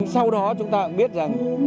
sau đó chúng ta cũng biết rằng